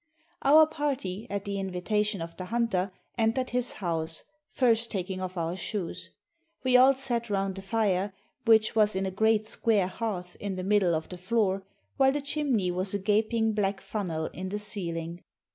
Our party, at the invitation of the hunter, entered his house, first taking off our shoes. We all sat round the fire, which was in a great square hearth in the middle of the floor, while the chimney was a gaping black funnel in the ceiling.